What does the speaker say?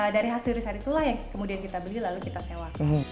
dari hasil riset itulah yang kemudian kita beli lalu kita sewa